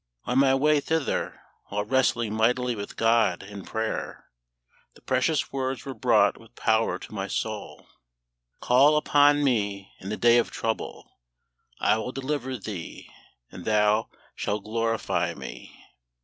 On my way thither, while wrestling mightily with GOD in prayer, the precious words were brought with power to my soul, "Call upon Me in the day of trouble: I will deliver thee, and thou shall glorify Me."